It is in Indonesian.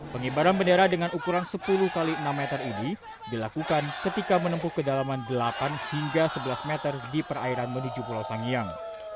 pengibaran bendera dengan ukuran sepuluh x enam meter ini dilakukan ketika menempuh kedalaman delapan hingga sebelas meter di perairan menuju pulau sangiang